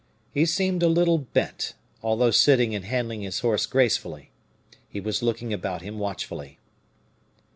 He seemed a little bent, although sitting and handling his horse gracefully. He was looking about him watchfully.